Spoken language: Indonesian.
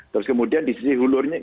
terus kemudian di sisi hulurnya